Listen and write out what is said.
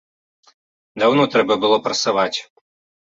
Даўно трэ было прасаваць.